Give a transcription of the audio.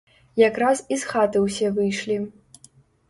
Якраз і з хаты ўсе выйшлі.